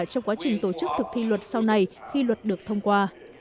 trong quá trình tổ chức thực thi luật sau này khi luật được thông qua